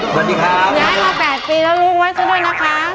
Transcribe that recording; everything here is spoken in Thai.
สวัสดีครับย้ายมา๘ปีแล้วรู้ไว้ซะด้วยนะคะ